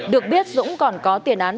được biết dũng còn có tiền án